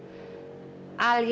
kan ada alya